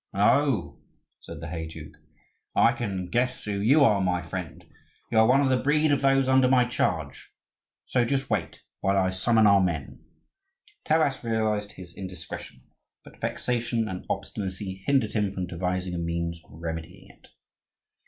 "Oho!" said the heyduke. "I can guess who you are, my friend; you are one of the breed of those under my charge. So just wait while I summon our men." Taras realised his indiscretion, but vexation and obstinacy hindered him from devising a means of remedying it.